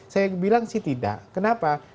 saya bilang sih tidak kenapa